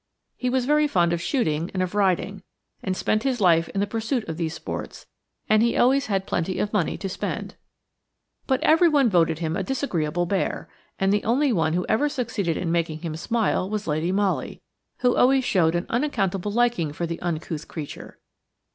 He was very fond of shooting and of riding, and spent his life in the pursuit of these sports, and he always had plenty of money to spend. But everyone voted him a disagreeable bear, and the only one who ever succeeded in making him smile was Lady Molly, who always showed an unaccountable liking for the uncouth creature.